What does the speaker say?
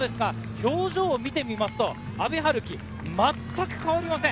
表情を見ると阿部陽樹、全く変わりません。